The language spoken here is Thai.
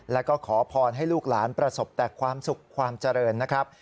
แล้วก็ขอพรให้ลูกหลานประสบแต่ความสุขความเจริญนะครับ